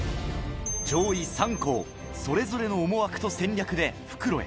上位３校、それぞれの思惑と戦略で復路へ。